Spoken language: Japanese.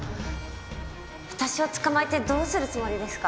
私を捕まえてどうするつもりですか？